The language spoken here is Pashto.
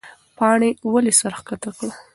پاڼې ولې سر ښکته کړ؟